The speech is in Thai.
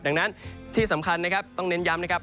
ดังนั้นที่สำคัญนะครับต้องเน้นย้ำนะครับ